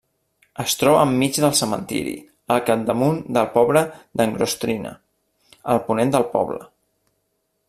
Es troba enmig del cementiri, al capdamunt del poble d'Angostrina, a ponent del poble.